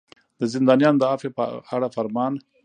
د زندانیانو د عفوې په اړه فرمان.